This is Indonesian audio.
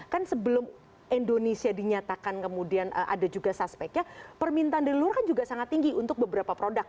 kan sebelum indonesia dinyatakan kemudian ada juga suspeknya permintaan dari luar kan juga sangat tinggi untuk beberapa produk